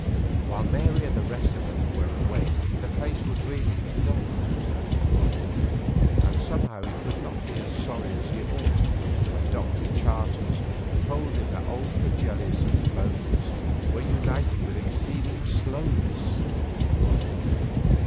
While Mary and the rest of them were away the place would really be dull without her, and somehow he could not be as sorry as he ought when Dr. Charters told him that old Mr. Fregelius's bones were uniting with exceeding slowness.